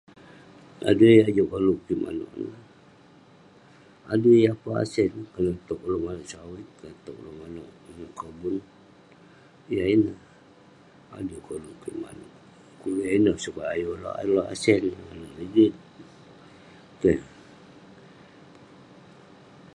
Adui yah Juk koluek kik manuek ineh adui yah pun asen konak tok oluek manok sawit konak tong oleuk manok inuek kobun yah ineh adui koluk kik manuek dukuk yah ineh sukat oleuk alek sen alek rigit keh